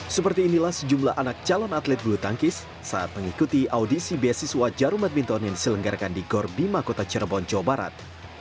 seperti inilah sejumlah anak calon atlet bulu tangkis saat mengikuti audisi beasiswa jarum edwin tonin selenggarakan di gorbima kota cirebon jawa barat